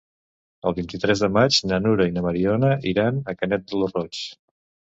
El vint-i-tres de maig na Nura i na Mariona iran a Canet lo Roig.